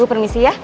bu permisi ya